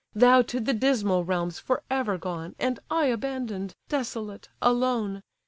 Thou to the dismal realms for ever gone! And I abandon'd, desolate, alone!